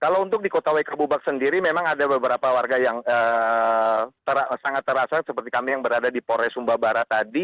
kalau untuk di kota wk bubak sendiri memang ada beberapa warga yang sangat terasa seperti kami yang berada di polres sumba barat tadi